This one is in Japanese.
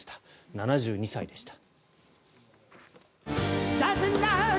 ７２歳でした。